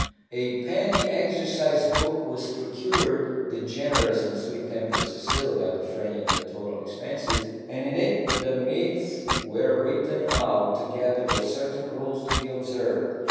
A penny exercise book was procured (the generous and sweet tempered Cecilia defraying the total expense), and in it the myths were written out, together with certain rules to be observed.